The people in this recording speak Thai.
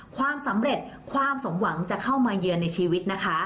ความสำเร็จความสมหวังจะเข้ามาเยือนในชีวิตนะคะ